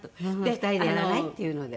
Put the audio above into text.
２人でやらない？っていうので。